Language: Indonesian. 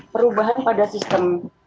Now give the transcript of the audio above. perubahan pada sistem